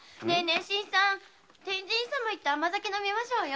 新さん天神様で甘酒飲みましょうよ。